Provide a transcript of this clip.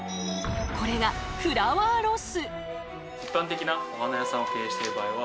これがフラワーロス。